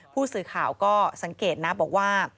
ผู้สื่อข่าวก็สังเกตนะบอกว่า